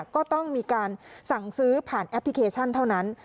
ก็ต้องมีการสั่งซื้อผ่านแอปพลิเคชันเท่านั้น